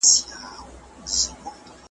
زوى دا ستا په شاني ښايي ابليس پلار ته .